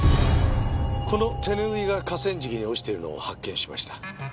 この手拭いが河川敷に落ちているのを発見しました。